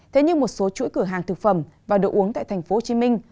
thế nhưng một số chuỗi cửa hàng thực phẩm và đồ uống tại thành phố hồ chí minh